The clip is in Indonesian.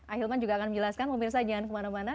ahilman juga akan menjelaskan mumpir saja jangan kemana mana ya